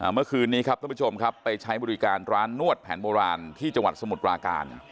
เมื่อคืนนี้ครับท่านผู้ชมครับไปใช้บริการร้านนวดแผนโบราณที่จังหวัดสมุทรปราการ